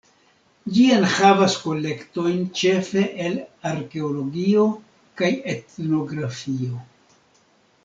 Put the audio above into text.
Ĝi enhavas kolektojn ĉefe el arkeologio kaj etnografio.